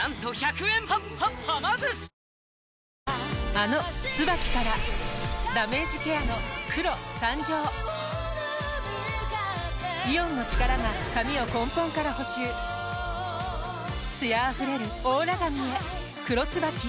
あの「ＴＳＵＢＡＫＩ」からダメージケアの黒誕生イオンの力が髪を根本から補修艶あふれるオーラ髪へ「黒ＴＳＵＢＡＫＩ」